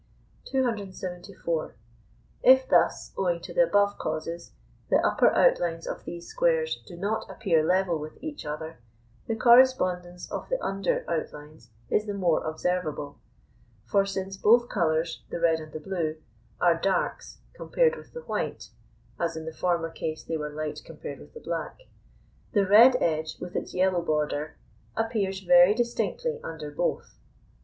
274. If thus, owing to the above causes, the upper outlines of these squares do not appear level with each other, the correspondence of the under outlines is the more observable; for since both colours, the red and the blue, are darks compared with the white (as in the former case they were light compared with the black), the red edge with its yellow border appears very distinctly under both.